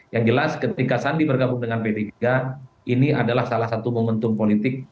yang jelas ketika sandi bergabung dengan p tiga ini adalah salah satu momentum politik